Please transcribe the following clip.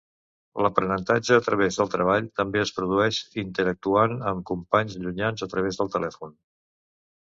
L'aprenentatge a través del treball també es produeix interactuant amb companys llunyans a través del telèfon.